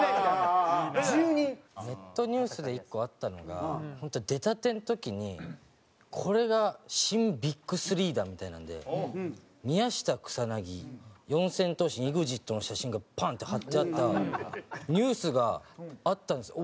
ネットニュースで１個あったのが本当出たての時に「これが新ＢＩＧ３だ」みたいなので宮下草薙四千頭身ＥＸＩＴの写真がパンって貼ってあったニュースがあったんですよ。